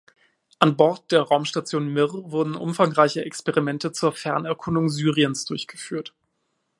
An Bord der Raumstation Mir wurden umfangreiche Experimente zur Fernerkundung Syriens durchgeführt.